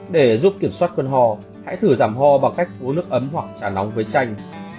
để giúp kiểm soát cơn hò hãy thử giảm ho bằng cách uống nước ấm hoặc xả nóng với chanh